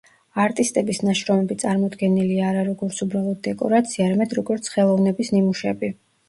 არტისტების ნაშრომები წარმოდგენილია არა როგორც უბრალოდ დეკორაცია, არამედ როგორც ხელოვნების ნიმუშები.